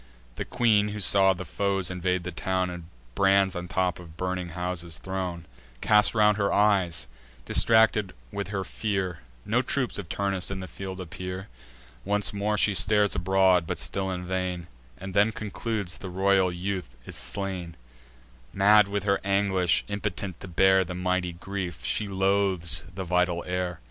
The queen, who saw the foes invade the town, And brands on tops of burning houses thrown, Cast round her eyes, distracted with her fear— No troops of Turnus in the field appear. Once more she stares abroad, but still in vain, And then concludes the royal youth is slain. Mad with her anguish, impotent to bear The mighty grief, she loathes the vital air.